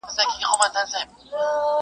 د فقیر لور په دربار کي ملکه سوه.!